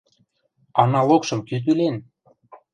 — А налогшым кӱ тӱлен?